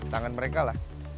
tangan mereka lah